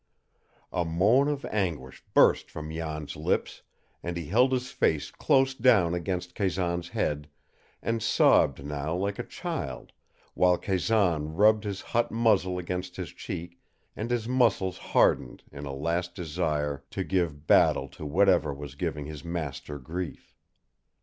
A moan of anguish burst from Jan's lips and he held his face close down against Kazan's head, and sobbed now like a child, while Kazan rubbed his hot muzzle against his cheek and his muscles hardened in a last desire to give battle to whatever was giving his master grief.